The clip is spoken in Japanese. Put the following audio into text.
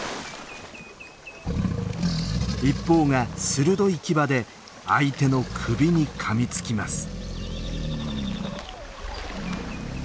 一方が鋭い牙で相手の首にかみつきます。